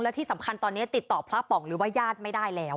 และที่สำคัญตอนนี้ติดต่อพระป๋องหรือว่าญาติไม่ได้แล้ว